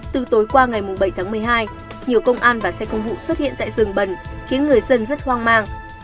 từ tối qua ngày bảy tháng một mươi hai nhiều công an và xe công vụ xuất hiện tại rừng bần khiến người dân rất hoang mang